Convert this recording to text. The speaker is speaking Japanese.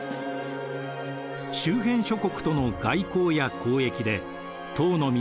周辺諸国との外交や交易で唐の都